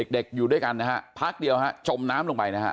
เด็กอยู่ด้วยกันนะฮะพักเดียวฮะจมน้ำลงไปนะฮะ